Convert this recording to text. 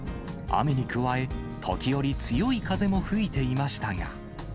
雨に加え、時折、強い風も吹いていましたが。